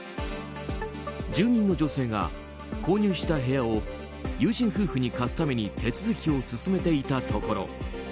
住人の女性が、購入した部屋を友人夫婦に貸すために手続きを進めていたところ